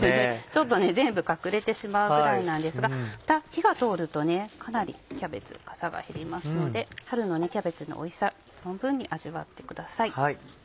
ちょっと全部隠れてしまうぐらいなんですが火が通るとかなりキャベツかさが減りますので春のキャベツのおいしさ存分に味わってください。